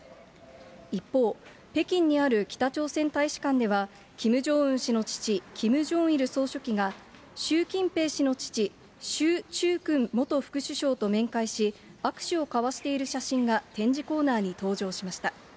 一方、北京にある北朝鮮大使館では、キム・ジョンウン氏の父、キム・ジョンイル総書記が、習近平氏の父、習ちゅうくん元副首相と面会し、握手を交わしている写真が展示コーナーに登場しました。